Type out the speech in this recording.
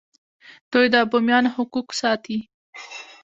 دوی د بومیانو حقوق ساتي.